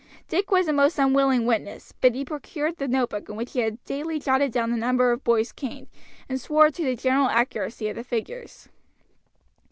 Dick was a most unwilling witness, but he produced the notebook in which he had daily jotted down the number of boys caned, and swore to the general accuracy of the figures.